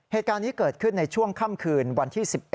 เหตุการณ์นี้เกิดขึ้นในช่วงค่ำคืนวันที่๑๑